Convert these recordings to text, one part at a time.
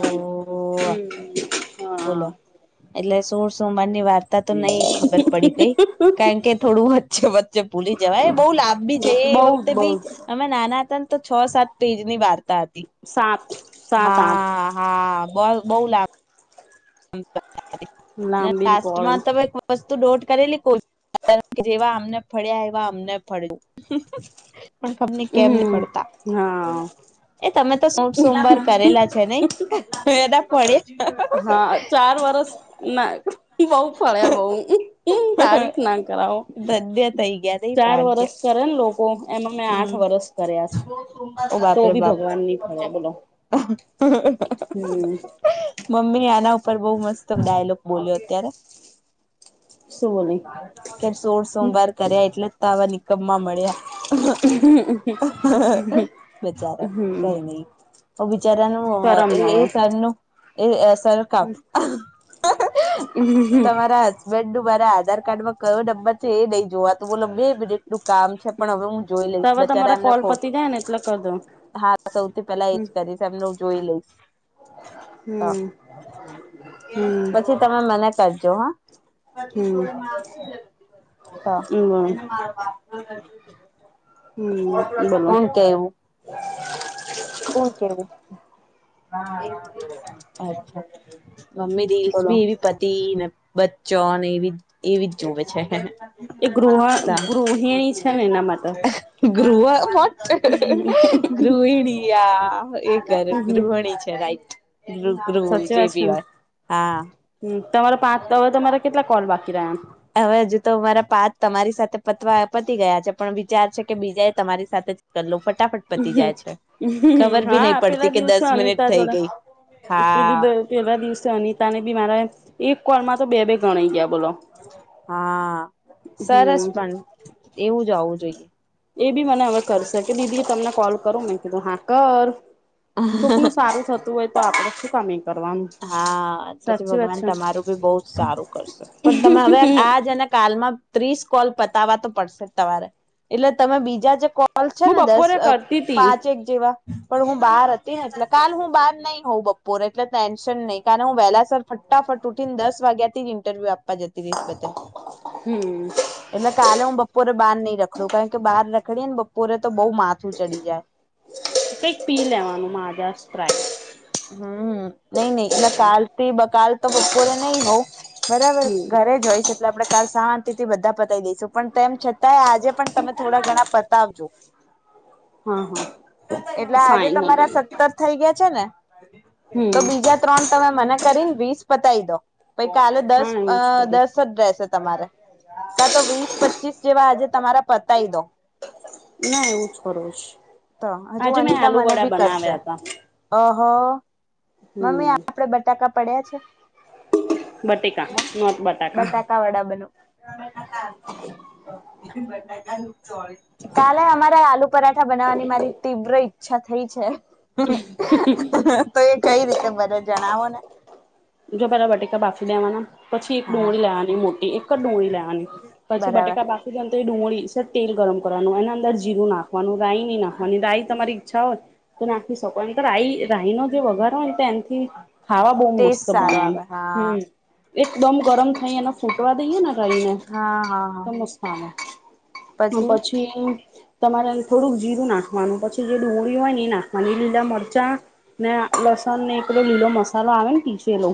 ઓ હમ બોલો હા એટલે સોળ સોમવાર ની વાર્તા તો નઈ ખબર પડી ગઈ કારણ કે થોડું વચ્ચે જે ભૂલી જવાય એ બહુ લાભ બી છે એ બઉ વખતે બઉ બી અમે નાના હતા ને તો છ સાત પેજ ની વાર સાત. સાત આઠ હા હા બ બહ લાબ [unintelligible] લાંબીને લાસ્ટમાં પોળી તમે વસ્ ત દોટ કરેલી [unintelligible] જેવા અમને ફડ્યા એવા અમને ફળજો. પણ ખબર નઈ કેમની હમ પડતા. હા એ તમે તો સોળ સોમવાર કરેલા છે નઈ. પડે હા ચાર વરસ ના બઉ ફળ્યા બઉ તારીફ ના કરાવો ધન્ય થઈ ગયા નઈ ચાર ભાગ્ય વરસ કરે ને લોકો એમાં મેં આઠ હમ વરસ કર્યા છે તો દી ભગવાન ની ફાળ્યા બોલો. હમ [inaudible] મમ્મીની આના ઉપર બહ મસ્ત ડાયલોગ બોલ્યો અત્યારે શું બોલી કે સોળ સોમવાર કર્યા એટલે જ તો આવા નિકમમાં મળ્યા બચારો હમ કઈ નહી ઓ બિચારાનું કરમ એ એ હવે સરનું એ અ સરખામ હમ તમારા હસબેન્ડ નુ મારા આધાર કાર્ડમાં કયો નંબર છે એ નઈ જોવાતું બોલો બે મિનિટનું કામ છે. પણ હવે હું જોઈ તો લઈશ હવે બચારા તમારા એમને કોલ ખોટ પતી જાય ને એટલે કર દો હા સૌથી પેલા એજ હમ કરીશ એમને હું જોઈ લઈશ હ. હમ હમ પછી તમે મને ક જો હ હા. હમ હમ બોલો હું કેવું? [unintelligible] મમ્મી રીલ્સ ભી બોલો. એવી પતિને બચ્ચોને એવી એવી જ જોવે છે. એ ગ્રુપ ગ્રુહ વ્હોટ ગ્રુહ પીડીયા એ કરે હમ હમ. ગૃહિણી છે રાઈટ ગૃ ગૃહ સાચી જે વાત છે બી ને હોય હા. હમ તમારા પાંચ હવે તમારા કેટલા કોલ બાકી રહ્યા? હવે હજુ તો અમાંરા પાચ તમારી સાથે પતવા પતી ગયા છે પણ વિચાર છે કે બીજાએ તમારી સાથે જ કર લઉ ફટાફટ પતી જાય છે ખબર બી નહી હા પડતી કે દસ મિનિટ થઈ ગઈ. પે હા પેલા દિવસે અનિતાને બી મારા એક કોલ માં તો બે બે ગણાઈ ગયા. બોલો. હા સરસ હમ પણ એવું જ હોવું જોઈએ. એ બી મને હવે કરશે કે દીદી હું તમને કોલ કરો મે કીધું હા કર કોકનું સારું થતું હોય તો આપડે શું કામ કરવાનું હા પછી સાચી વાત ભગવાન છે. તમારું બી બહુ જ સારું કરશે પણ તમે હવે આજના કાલમાં ત્રીસ કોલ પતાવાતો પડશે તમારે એટલે તમે બીજા જે કોલ કોલ છે હું ને દસ બપોરે અ કરતી તી પાંચ એક જેવા પણ હું બહાર હતી ને એટલે કાલ હું બહાર નઈ હોઉં બપોરે એટલે ટેન્શન નહી કાલે હું વહેલા સર ફટાફટ ઉઠીને દસ વાગ્યાથી જ ઇન્ટરવ્યુ આપવા જતી રહીશ બધે હમ એટલે કાલે હું બપોરે બહાર નહી રખડું કારણ કે બહાર રખડીએ ને બપોરે તો બહુ માથું ચડી જાય કઈક પી લેવાનું માજા સ્પ્રાઈટ હમ નઈ નઈ એટલે કાલ થી બકાલ તો બપોરે નઈ હોવ બરાબર હમ. ઘરે જ હોઈશ એટલે આપણે કાલ શાંત તિથી બધા પતાવી દઈશુ પણ તેમ છતાંય આજે પણ તમે થોડા ઘણા પતાવજો હા હા એટલે આજે તમારા ફાઈનલી સત્તર થઇ ગયા છે ને તો હમ બીજા ત્રણ તમે મને કરીને વીસ પતાવી દો પૈ કાલે દસ હા એવું જ કરીશ દસ જ રેસે તમારે કા તો વીસ પચીસ જેવા આજે તમારા પતાય દો ના એવું જ કરવું છે તો હજુ આજે મેં અનિતા આલુ મને વડા ભી કરશે બનાવ્યા હતા અ હ મમ્મી હમ આપડે બટાકા પડ્યા છે. બટેકા નોટ બટાકા બતાકા વડાબનું. [inaudible] કાલે અમારે આલુ પરાઠા બનાવવાની મારી તીવ્ર ઈચ્છા થઈ છે. [unintelligible] તો એ કઈ રીતે બને જણાવો ને જો પેલા બટેકા બાફી દેવાના પછી એક હા ડુંગળી લેવાની મોટી એક જ ડુંગળી લેવાની પછી બરાબર બટેકા બાકી તે ડુંગળી છે તેલ ગરમ કરવાનું એના અંદર જીરું નાખવાનું રાાય નહીં નાખવાની રાય તમારી છા હોય તો નાખી શકો એમ કે રાઈ રાહી નો જે વઘારો હોય એમથી ખાવા બહ ટેસ્ટ મસ્ત સારો આવે હા હ એકદમ ગરમ થઈ અને ફૂટવા દઈએ ને રઈને. હા હા હા નમસ્કાર. પછી તમારે થોડુંક જીરું નાખવાનું પછી જે ડુંગળી હોય એ નાખવાની લીલા મરચાં ને લસણ ને એકલોો લીલો મસાલો આવે ને કીજ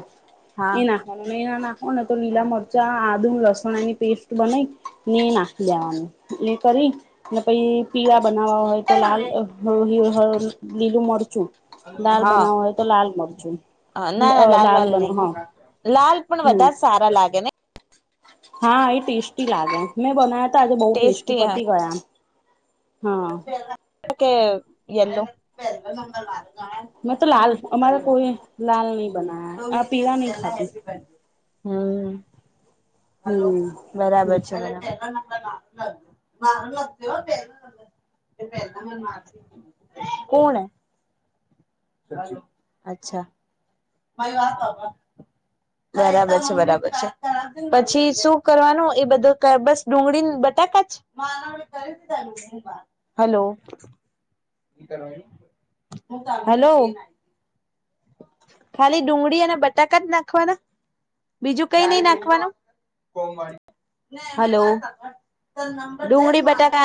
હા એ નાખવાનું એ ના નાખવા ને તો લીલા મરચા, આદુ, લસ ચણા ની પેસ્ટ બનાઈ ને નાખી લેવાનું એ કરી પીળ બનાવવા હોય તો લાલ લીલું મરચું. દાલ હા બનાવ હોય તો લાલ મરચું. ના ના લાલ લાલ બના નહી હા લાલ પણ હમ બધા સારા લાગે ને. હા એ ટેસ્ટી લાગે મેં બનાવ્યા ત આજે બહુ ટેસ્ટી પતી ગયા એમ કે યેલો મ તો લાલ અમારા કોઈ લાલ નહી બનાયા આ પીલા નહી ખાતું હમ હમ બરાબર છે. [unintelligible] કોણ અચ્છા. [inaudible] બરાબર છે બરાબર છે પછી શું કરવાનું એ બધું બસ ડુંગળી [unintelligible] [unintelligible] હલો. હલો ખાલી ડુગળી અને બટાકા જ નાખવાના બીજુ, કઈ નઈ નાખવાનું. હલો, ડુંગળી બટાકા